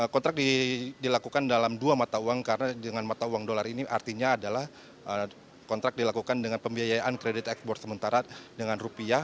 kontrak dilakukan dalam dua mata uang karena dengan mata uang dolar ini artinya adalah kontrak dilakukan dengan pembiayaan kredit ekspor sementara dengan rupiah